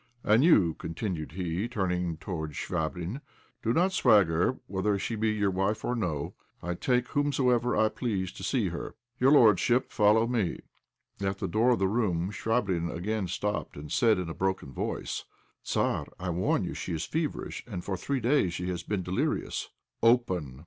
And you," continued he, turning towards Chvabrine, "do not swagger; whether she be your wife or no, I take whomsoever I please to see her. Your lordship, follow me." At the door of the room Chvabrine again stopped, and said, in a broken voice "Tzar, I warn you she is feverish, and for three days she has been delirious." "Open!"